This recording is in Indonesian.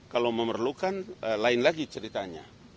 kalau memerlukan lain lagi ceritanya